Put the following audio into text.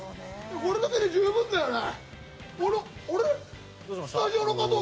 これだけで十分だよね。